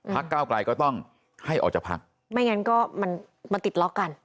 ก้าวไกลก็ต้องให้ออกจากพักไม่งั้นก็มันมาติดล็อกกัน